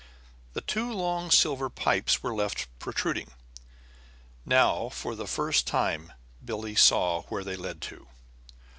The two long silver pipes were left protruding. Now, for the first time, Billie saw where they led to.